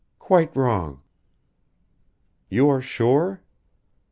"Quite wrong!" "You are sure?"